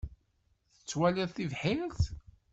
Tettwaliḍ tibḥirt?